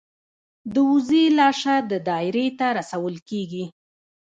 د وزې لاشه د دایرې ته رسول کیږي.